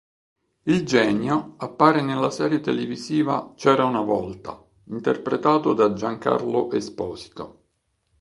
Il Genio appare nella serie televisiva "C'era una volta" interpretato da Giancarlo Esposito.